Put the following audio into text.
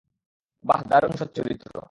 বাহ, দারুণ সচ্চরিত্র।